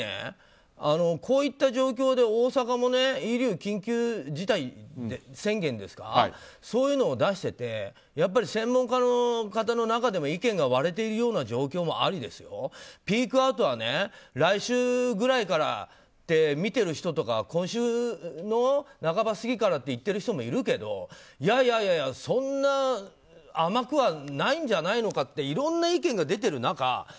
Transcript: こういった状況で、大阪も医療緊急事態宣言ですかそういうのを出していて専門家の方の中でも意見が割れているような状況でピークアウトは来週ぐらいからって見てる人とか今週の半ば過ぎからって言ってる人もいるけどいやいや、そんな甘くはないんじゃないのかとかいろんな意見が出てる中